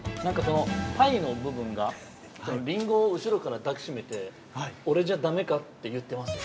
◆パイの部分がリンゴを後ろから抱き締めて「オレじゃだめか」って言ってます。